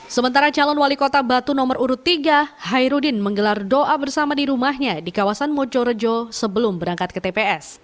sementara calon wali kota batu nomor urut tiga hairudin menggelar doa bersama di rumahnya di kawasan mojorejo sebelum berangkat ke tps